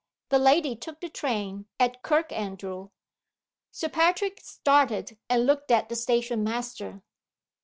"The lady took the train at Kirkandrew." Sir Patrick started and looked at the station master.